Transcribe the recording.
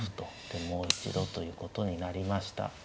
でもう一度ということになりました。